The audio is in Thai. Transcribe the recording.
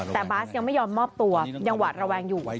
แต่บาสยังไม่ยอมมอบตัวยังหวาดระแวงอยู่